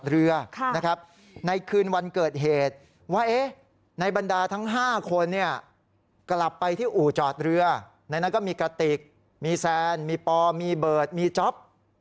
เรื่องของสำรวจครับถ้าว่าเราตอบให้สังคมทราบ